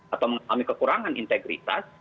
atau mengalami kekurangan integritas